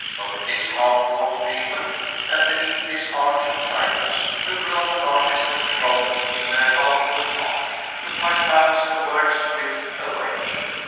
Over this half worn pavement, and beneath this Arch of Titus, the Roman armies had trodden in their outward march, to fight battles a world's width away.